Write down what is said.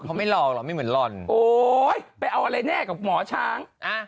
เขาไม่หลอกหรอไม่เหมือนหล่อนโอ๊ยไปเอาอะไรแน่กับหมอช้างอ่า